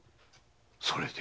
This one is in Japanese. それで？